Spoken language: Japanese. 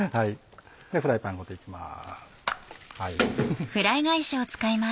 ではフライパンごといきます。